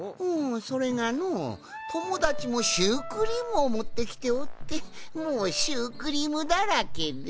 それがのともだちもシュークリームをもってきておってもうシュークリームだらけで。